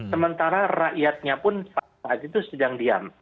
sementara rakyatnya pun saat itu sedang diam